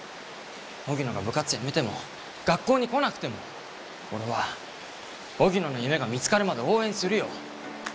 荻野が部活やめても学校に来なくても俺は荻野の夢が見つかるまで応援するよ。